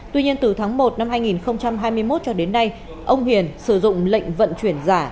tuy nhiên từ tháng một năm hai nghìn hai mươi một cho đến nay ông hiền sử dụng lệnh vận chuyển giả